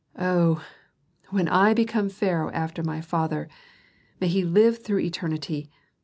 Oh, when I become pharaoh after my father, may he live through eternity!